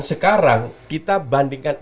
sekarang kita bandingkan